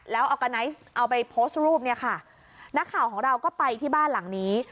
แล้วออร์กาไนซ์เอาไปโพสต์รูปเนี่ยค่ะนักข่าวของเราก็ไปที่บ้านหลังนี้